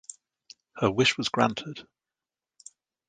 Her wish was granted.